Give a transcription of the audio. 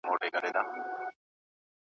پر خپل ځان باندي پرهېز یې وو تپلی .